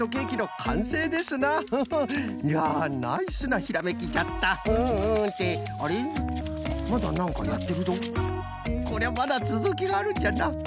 こりゃまだつづきがあるんじゃな。